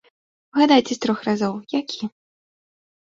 Угадайце з трох разоў, які?